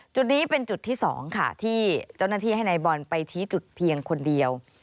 จุดนี้เป็นจุดที่๒ค่ะที่เจ้าหน้าที่ให้นายบอลไปชี้จุดเพียงคนเดียว